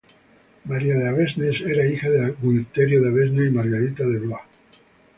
María de Avesnes era hija de Gualterio de Avesnes y Margarita de Blois.